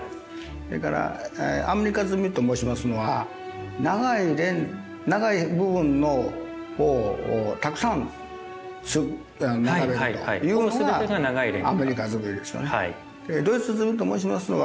それからアメリカ積みと申しますのは長い部分の方をたくさん並べるというのがアメリカ積みですよね。